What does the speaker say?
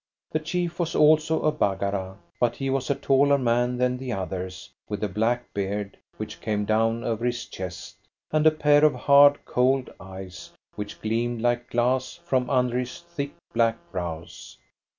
The chief was also a Baggara, but he was a taller man than the others, with a black beard which came down over his chest, and a pair of hard, cold eyes, which gleamed like glass from under his thick, black brows.